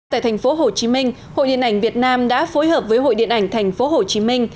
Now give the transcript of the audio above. tại thành phố hồ chí minh hội điện ảnh việt nam đã phối hợp với hội điện ảnh thành phố hồ chí minh